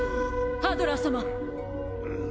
ハドラー様。